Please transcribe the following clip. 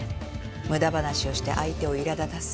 無駄話をして相手をいら立たせ。